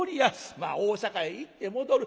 まあ大坂へ行って戻る。